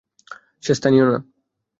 সে স্থানীয় না।